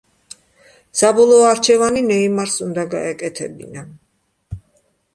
საბოლოო არჩევანი ნეიმარს უნდა გაეკეთებინა.